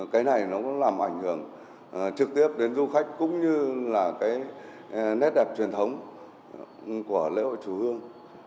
cái này nó cũng làm ảnh hưởng trực tiếp đến du khách cũng như là cái nét đẹp truyền thống của lễ hội chùa hương